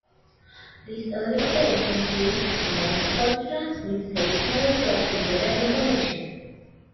These early operations used Morse code to transmit seismological and weather information.